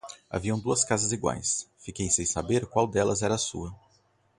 Haviam duas casas iguais, fiquei sem saber qual delas era a sua.